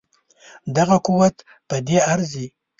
دغه قوت په دې ارزي.